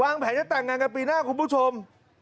แผนจะแต่งงานกันปีหน้าคุณผู้ชม